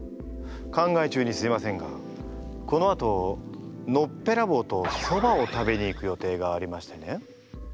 考え中にすいませんがこのあとのっぺらぼうとそばを食べに行く予定がありましてね。